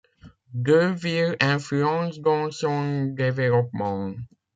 Deux villes influencent donc son développement.